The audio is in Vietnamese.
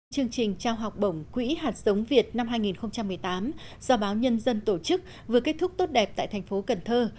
chương trình trao học bổng quỹ hạt sống việt năm hai nghìn một mươi tám do báo nhân dân tổ chức vừa kết thúc tốt đẹp tại thành phố cần thơ